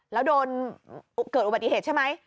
แล้วโดนเกิดอุบัติเหตุใช่ไหม